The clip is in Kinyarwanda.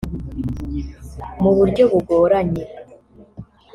Mu buryo bugoranye